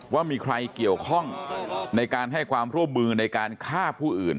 ว่ามีใครเกี่ยวข้องในการให้ความร่วมมือในการฆ่าผู้อื่น